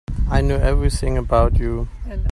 I know everything about you.